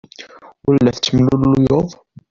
Ur la tettemlelluyeḍ.